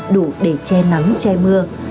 đủ để che nắng che mưa